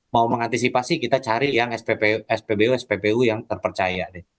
mau mengantisipasi kita cari yang spbu spbu yang terpercaya